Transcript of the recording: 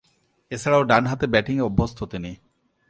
এছাড়াও, ডানহাতে ব্যাটিংয়ে অভ্যস্ত তিনি।